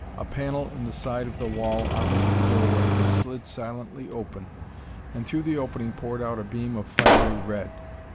A panel in the side of the wall opposite the doorway had slid silently open and through the opening poured out a beam of fiery red.